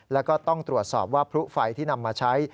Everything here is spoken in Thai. แล้วก็ต้องตรวจสอบว่าพลุไฟที่นำมาใช้